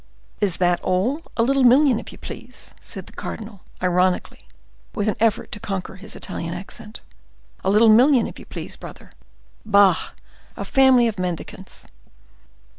"Is that all—a little million, if you please!" said the cardinal, ironically, with an effort to conquer his Italian accent. "A little million, if you please, brother! Bah! a family of mendicants!"